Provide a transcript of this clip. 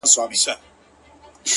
• عزرائیل مي دی ملګری لکه سیوری ,